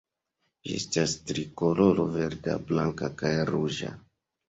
Ĝi estas trikoloro verda, blanka kaj ruĝa.